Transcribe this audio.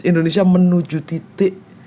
indonesia menuju titik